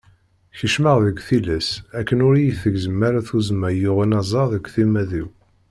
Keččmeɣ deg tillas akken ur iyi-tgezzem ara tuzzma i yuɣen aẓar deg timmad-iw.